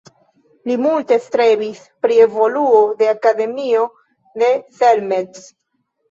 Li multe strebis pri evoluo de Akademio de Selmec.